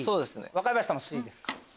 若林さんもＣですか。